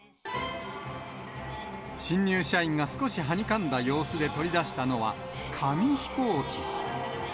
新入社員が少しはにかんだ様子で取り出したのは、紙飛行機。